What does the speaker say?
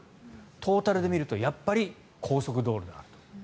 トータルで見るとやっぱり高速道路だなと。